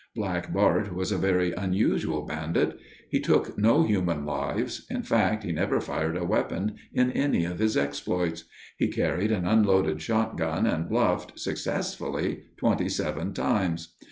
Black Bart was a very unusual bandit. He took no human lives. In fact, he never fired a weapon in any of his exploits. He carried an unloaded shotgun and bluffed, successfully, twenty seven times.